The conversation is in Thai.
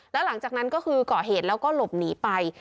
แล้วหลังจากนั้นก็คือก่อเหตุแล้วก็หลบหนีไป